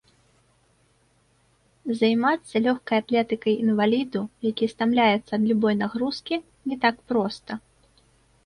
Займацца лёгкай атлетыкай інваліду, які стамляецца ад любой нагрузкі, не так проста.